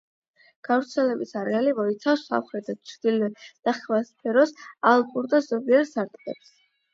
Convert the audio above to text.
გავრცელების არეალი მოიცავს სამხრეთ და ჩრდილოეთ ნახევარსფეროს ალპურ და ზომიერ სარტყლებს.